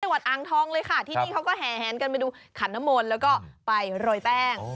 ที่นี่เขาก็แหงกันไปดูขันนมนต์แล้วก็ไปโรยแป้ง